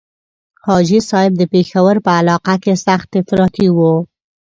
حاجي صاحب د پېښور په علاقه کې سخت افراطي وو.